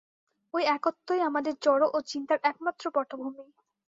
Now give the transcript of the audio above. ঐ একত্বই আমাদের জড় ও চিন্তার একমাত্র-পটভূমি।